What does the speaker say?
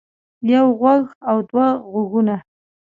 يو غوږ او دوه غوږونه